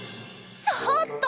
ちょっと！